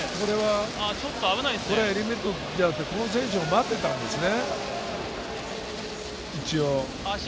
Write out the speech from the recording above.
エリミネイトじゃなくて、この選手を待ってたんですね。